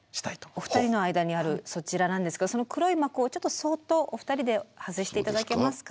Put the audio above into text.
お二人の間にあるそちらなんですけどその黒い幕をちょっとそっとお二人で外して頂けますか。